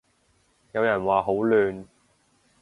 有人話好亂